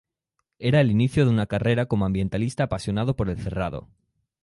Era el inicio de una carrera como ambientalista apasionado por el Cerrado.